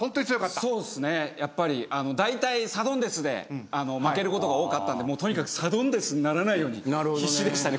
やっぱりだいたいサドンデスで負けることが多かったんでとにかくサドンデスにならないように必死でしたね